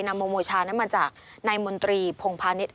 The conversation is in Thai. นำโมโมชานั้นมาจากนายมนตรีผงพาเน็ต